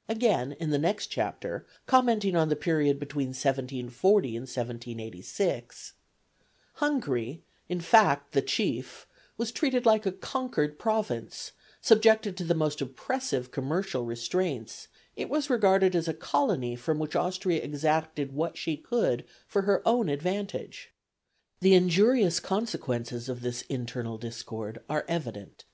" Again, in the next chapter, commenting on the period between 1740 and 1786: "Hungary, in fact the chief, was treated like a conquered province; subjected to the most oppressive commercial restraints, it was regarded as a colony from which Austria exacted what she could for her own advantage. The injurious consequences of this internal discord are evident."